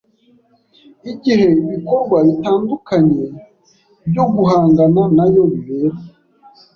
igihe ibikorwa bitandukanye byo guhangana nayo bibera,